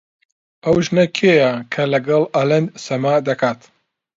ئەو ژنە کێیە کە لەگەڵ ئەلەند سەما دەکات؟